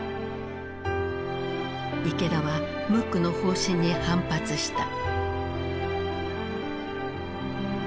池田はムックの方針に反発した。